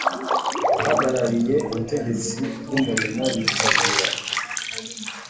Abahagarariye ubutegetsi bw umurimo bitabira